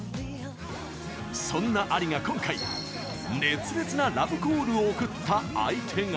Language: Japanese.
そんな ＡＬＩ が今回熱烈なラブコールを送った相手が。